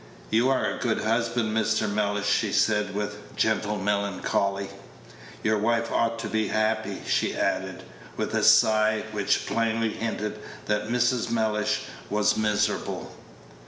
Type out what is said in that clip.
"You are a good husband, Mr. Mellish, she said, with gentle melancholy. "Your wife ought to be happy!" she added, with a sigh which plainly hinted that Mrs. Mellish was miserable.